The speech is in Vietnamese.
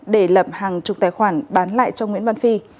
để lập hàng chục tài khoản bán lại cho nguyễn văn phi